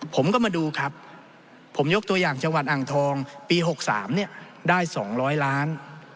ผมก็มาดูครับผมยกตัวอย่างจังหวัดอ่างทองปี๖๓ได้๒๐๐ล้าน